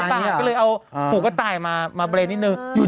ก็เลยเอาหูกระต่ายมาเบรนด์